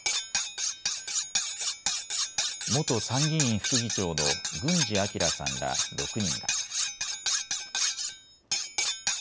元参議院副議長の郡司彰さんら６人が。